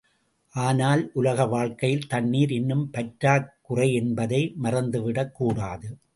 ஆனால் உலக வாழ்க்கையில் தண்ணீர் இன்னும் பற்றாக்குறையென்பதைப் மறந்து விடக்கூடாது.